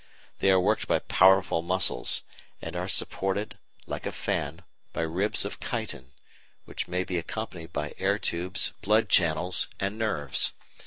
They are worked by powerful muscles, and are supported, like a fan, by ribs of chitin, which may be accompanied by air tubes, blood channels, and nerves.